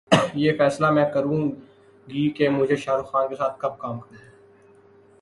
یہ فیصلہ میں کروں گی کہ مجھے شاہ رخ کے ساتھ کب کام کرنا ہے